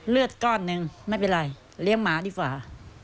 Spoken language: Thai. เลือดก้อนหนึ่งไม่เป็นไรเลี้ยงหมาดีกว่า